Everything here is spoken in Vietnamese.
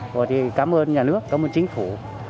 rồi thì cảm ơn nhà nước cảm ơn chính phủ